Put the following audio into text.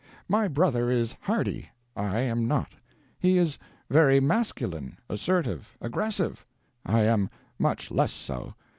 My brother is hardy, I am not; he is very masculine, assertive, aggressive; I am much less so.